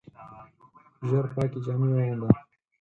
ژر پاکي جامې واغونده !